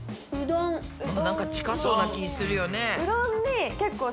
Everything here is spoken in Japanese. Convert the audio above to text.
なんか近そうな気するよね。